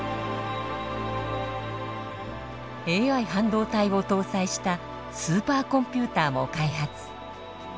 ＡＩ半導体を搭載したスーパーコンピューターも開発。